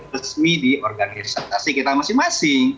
resmi di organisasi kita masing masing